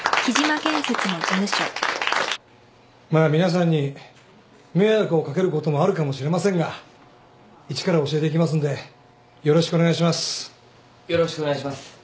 まあ皆さんに迷惑を掛けることもあるかもしれませんが一から教えていきますんでよろしくお願いします。